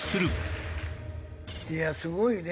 いやすごいね。